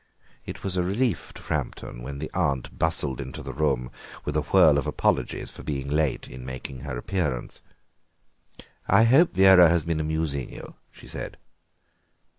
It was a relief to Framton when the aunt bustled into the room with a whirl of apologies for being late in making her appearance. "I hope Vera has been amusing you?" she said.